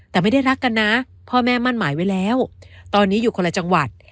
แต่ไม่ได้รักกันนะพ่อแม่มั่นหมายไว้แล้วตอนนี้อยู่คนละจังหวัด